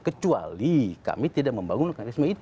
kecuali kami tidak membangun mekanisme itu